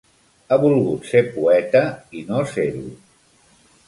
Ha volgut ser poeta i no ser-ho.